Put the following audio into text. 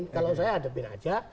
kalau saya hadapi aja